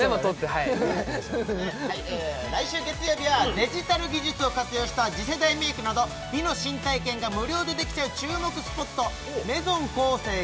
はいはい来週月曜日はデジタル技術を活用した次世代メイクなど美の新体験が無料でできちゃう注目スポットメゾンコーセー